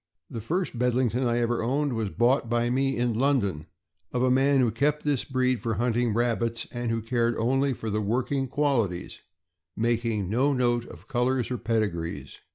The first Bedlington I ever owned was bought by me in London, of a man who kept this breed for hunting rabbits, and who cared only for working qualities, making no note of colors or pedigrees.